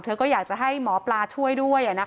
เธอก็อยากจะให้หมอปลาช่วยด้วย